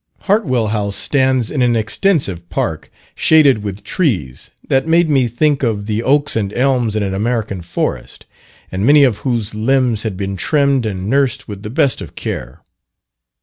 Hartwell House stands in an extensive park, shaded with trees, that made me think of the oaks and elms in an American forest, and many of whose limbs had been trimmed and nursed with the best of care.